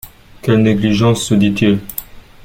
Quelle négligence, se dit-il.